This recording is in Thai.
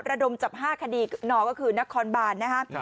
ระดมจับ๕คดีนอก็คือนครบานนะครับ